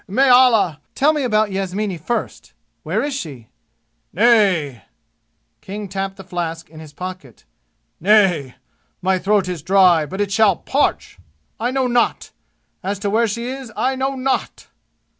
May Allah " "Tell me about Yasmini first! Where is she?" "Nay!" King tapped the flask in his pocket. "Nay! My throat is dry, but it shalt parch! I know not! As to where she is, I know not!"